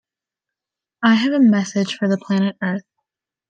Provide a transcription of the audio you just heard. I have a message for the Planet Earth.